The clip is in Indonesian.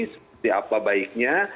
seperti apa baiknya